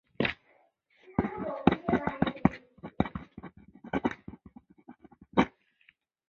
此外异黄酮作为前体的发展植物抗毒素在植物微生物的相互作用。